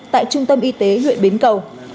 tại trung tâm y tế huyện bến cầu